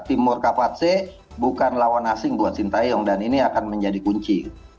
timur kapatse bukan lawan asing buat sintayong dan ini akan menjadi kunci